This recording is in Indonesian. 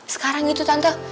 sekarang gitu tante